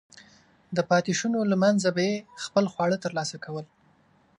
د پاتېشونو له منځه به یې خپل خواړه ترلاسه کول.